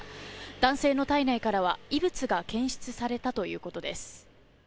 男性の体内からは異物が検出されたということです。